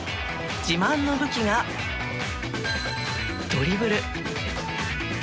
自慢の武器が、ドリブル。